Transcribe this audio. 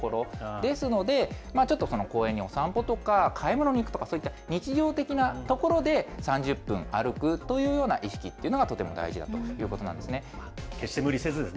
ですので、ちょっと公園にお散歩とか、買い物に行くとか、そういった日常的な所で、３０分歩くというような意識っていうのが、と決して無理せずね。